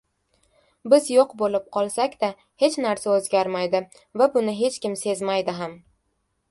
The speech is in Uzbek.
Biz yoʻq boʻlib qolsakda, hech narsa oʻzgarmaydi va buni hech kim sezmaydi ham.